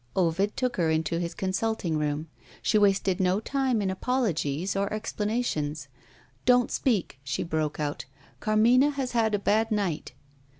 Ovid took her into his consulting room. She wasted no time in apologies or explanations. "Don't speak!" she broke out. "Carmina has had a bad night."